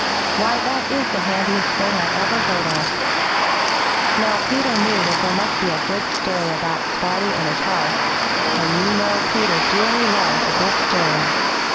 Why, that is the handiest thing I ever heard of." Now Peter knew that there must be a good story about Spotty and his house, and you know Peter dearly loves a good story.